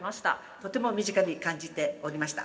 とても身近に感じておりました。